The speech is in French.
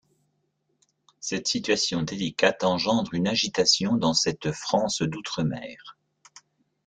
Cette situation délicate engendre une agitation dans cette France d'outre mer.